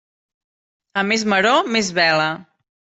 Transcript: A més maror, més vela.